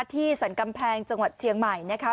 สรรกำแพงจังหวัดเชียงใหม่นะคะ